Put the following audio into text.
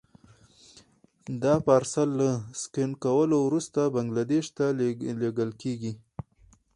دا پارسل له سکن کولو وروسته بنګلادیش ته لېږل کېږي.